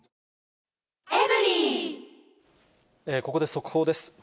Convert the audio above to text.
ここで速報です。